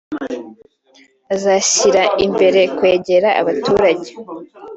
azashyira imbere kwegera abaturage